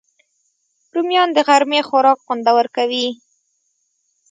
رومیان د غرمې خوراک خوندور کوي